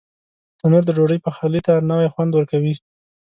تنور د ډوډۍ پخلي ته نوی خوند ورکوي